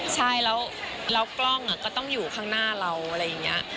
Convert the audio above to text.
ใช่แล้วกล้องก็ต้องอยู่ข้างหน้าเราอะไรอย่างนี้